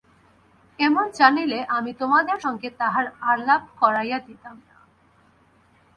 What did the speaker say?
এমন জানিলে আমি তোমাদের সঙ্গে তাহার আলাপ করাইয়া দিতাম না।